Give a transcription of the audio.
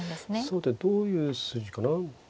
さてどういう筋かな。